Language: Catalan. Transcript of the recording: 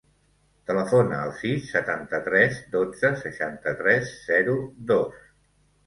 Telefona al sis, setanta-tres, dotze, seixanta-tres, zero, dos.